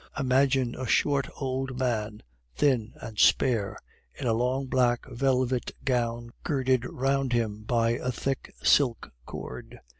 Imagine a short old man, thin and spare, in a long black velvet gown girded round him by a thick silk cord.